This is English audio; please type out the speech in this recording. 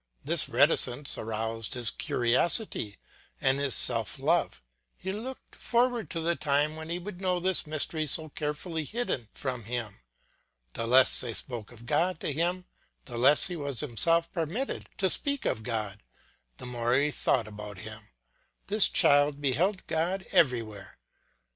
This reticence aroused his curiosity and his self love; he looked forward to the time when he would know this mystery so carefully hidden from him. The less they spoke of God to him, the less he was himself permitted to speak of God, the more he thought about Him; this child beheld God everywhere.